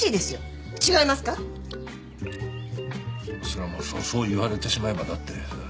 それはまあそう言われてしまえばだって。